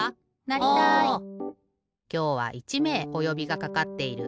きょうは１めいおよびがかかっている。